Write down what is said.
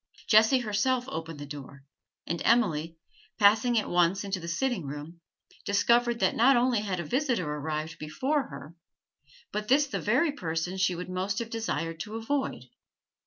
Jessie herself opened the door, and Emily; passing at once into the sitting room, discovered that not only had a visitor arrived before her, but this the very person she would most have desired to avoid.